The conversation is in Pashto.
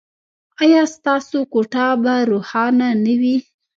ایا ستاسو کوټه به روښانه نه وي؟